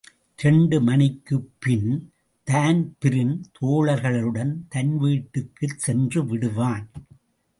இரண்டு மணிக்குப் பின் தான்பிரீன் தோழர்களுடன் தன்வீட்டுக்குச் சென்றுவிடுவான்.